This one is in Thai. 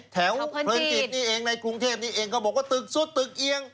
แถวเพลินจีนในกรุงเทพนี่เองก็โปรดกับสุดตึกอิง